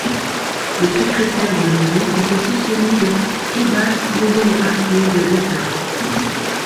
Le secrétaire de mairie est aussi celui de Tiebas-Muruarte de Reta.